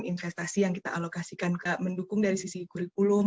investasi yang kita alokasikan mendukung dari sisi kurikulum